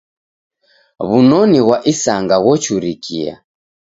W'unoni ghwa isanga ghochurikia.